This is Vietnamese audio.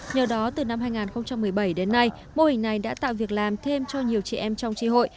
nhờ đó từ năm hai nghìn một mươi bảy đến nay mô hình này đã tạo việc làm thêm cho nhiều chị em trong tri hội